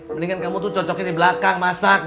mendingan kamu tuh cocoknya di belakang masak banget ya